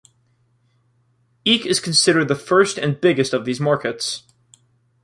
Eke is considered the first and biggest of these markets.